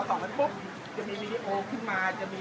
สวัสดีครับ